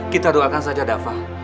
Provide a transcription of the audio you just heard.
kita doakan saja dapah